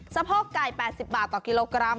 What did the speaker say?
สะโพกไก่๘๐บาทต่อกิโลกรัม